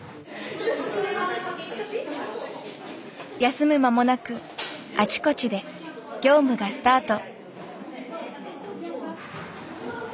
休む間もなくあちこちで業務がスタート。